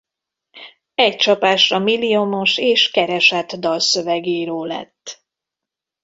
Egy csapásra milliomos és keresett dalszövegíró lett.